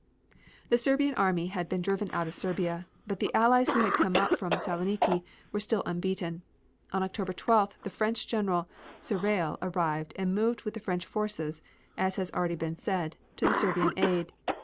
The Serbian army had been driven out of Serbia. But the Allies who had come up from Saloniki were still unbeaten. On October 12th, the French General Serrail arrived and moved with the French forces, as has already been said, to the Serbian aid.